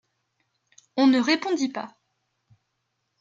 On ne répondit pas.